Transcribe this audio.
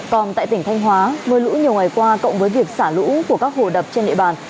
còn tại tỉnh thanh hóa mưa lũ nhiều ngày qua cộng với việc xả lũ của các hồ đập trên địa bàn